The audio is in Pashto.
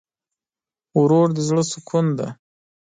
ورور د زړه سکون دی.